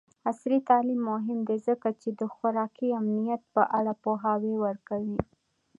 عصري تعلیم مهم دی ځکه چې د خوراکي امنیت په اړه پوهاوی ورکوي.